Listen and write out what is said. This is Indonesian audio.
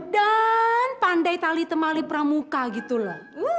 dan pandai tali tali pramuka gitu loh